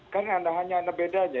kan hanya bedanya